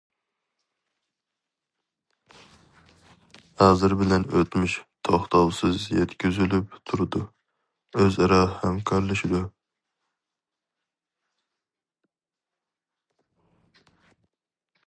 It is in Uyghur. ھازىر بىلەن ئۆتمۈش توختاۋسىز يەتكۈزۈلۈپ تۇرىدۇ، ئۆز ئارا ھەمكارلىشىدۇ.